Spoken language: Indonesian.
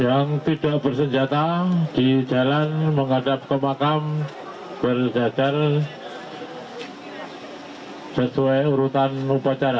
yang tidak bersenjata di jalan menghadap ke makam berjajar sesuai urutan upacara